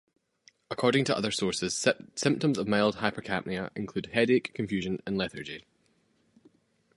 According to other sources, symptoms of mild hypercapnia might include headache, confusion and lethargy.